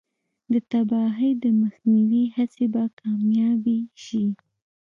د تباهۍ د مخنیوي هڅې به کامیابې شي.